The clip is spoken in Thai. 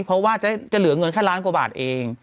เพราะว่าจะเหลือเงินแค่ล้านกว่าบาทเอง